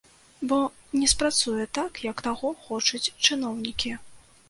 Бо не спрацуе так, як таго хочуць чыноўнікі.